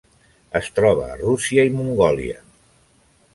Es troba a Rússia i Mongòlia.